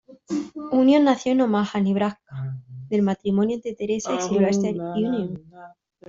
Union nació en Omaha, Nebraska, del matrimonio entre Theresa y Sylvester Union.